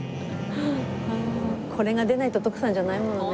これが出ないと徳さんじゃないものね。